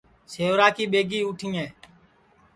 سیورا کی ٻیگی اُٹھیں